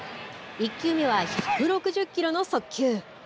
１球目は１６０キロの速球。